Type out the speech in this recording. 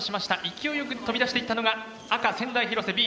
勢いよく飛び出していったのが赤仙台広瀬Ｂ